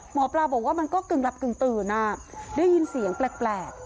หมอปลาบอกว่ามันก็กึ่งหลับกึ่งตื่นได้ยินเสียงแปลก